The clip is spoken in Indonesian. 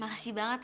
makasih banget ya